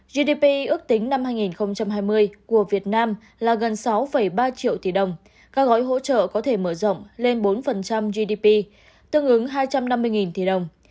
gdp ước tính năm hai nghìn hai mươi của việt nam là gần sáu ba triệu tỷ đồng các gói hỗ trợ có thể mở rộng lên bốn gdp tương ứng hai trăm năm mươi tỷ đồng